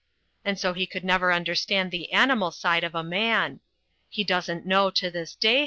And so he could never understand the animal side of a man. He doesn't know to this day.